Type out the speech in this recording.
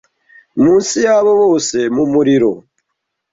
munsi yabo bose mumuriro